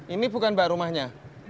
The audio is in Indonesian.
ini bukan mbak rumahnya